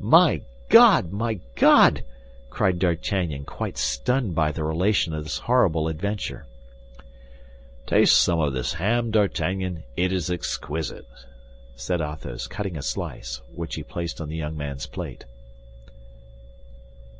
"My God, my God!" cried D'Artagnan, quite stunned by the relation of this horrible adventure. "Taste some of this ham, D'Artagnan; it is exquisite," said Athos, cutting a slice, which he placed on the young man's plate.